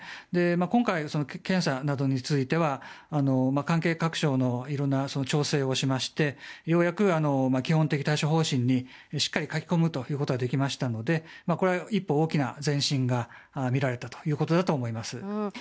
今回、検査などについては関係各所のいろんな調整をしましてようやく基本的対処方針にしっかり書き込むことができましたので一歩、大きな前進が見られたと思います。